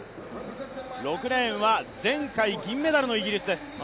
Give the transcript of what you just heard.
６レーンは前回銀メダルのイギリスです。